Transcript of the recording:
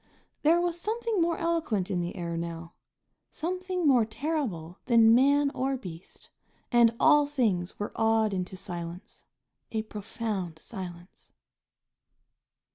There was something more eloquent in the air now, something more terrible than man or beast, and all things were awed into silence a profound silence.